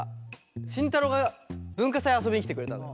慎太郎が文化祭遊びに来てくれたの。